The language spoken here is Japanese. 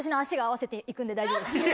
大丈夫です。